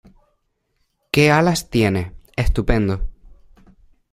¡ Qué alas tiene! ¡ estupendo !